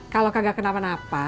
kalau kagak kenapa napa